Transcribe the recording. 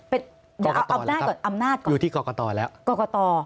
อำนาจก่อนอำนาจก่อนกรกตนะครับอยู่ที่กรกตแล้วกรกต